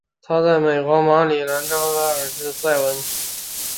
她在美国马里兰州巴尔的摩的市郊塞文。